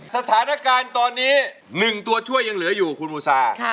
สถานการณ์ตอนนี้๑ตัวช่วยยังเหลืออยู่คุณบูซา